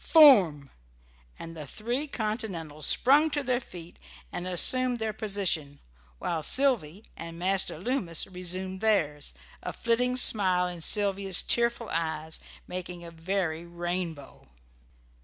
Form!" and the three Continentals sprung to their feet and assumed their position, while Sylvy and Master Loomis resumed theirs, a flitting smile in Sylvia's tearful eyes making a very rainbow.